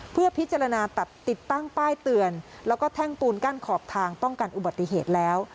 เพื่อพิจารณาตัดติดตั้งป้ายเตือนแล้วก็แท่งปูนกั้นขอบทางป้องกันอุบัติเหตุแล้ว